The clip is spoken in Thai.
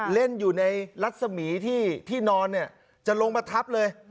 เล่นอยู่ในรัศมีที่นอนเนี่ยจะลงมาทับเลย